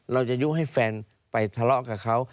ยุให้แฟนไปทะเลาะกับเขา